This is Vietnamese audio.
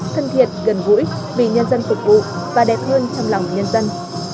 thân thiện gần gũi vì nhân dân phục vụ và đẹp hơn trong lòng nhân dân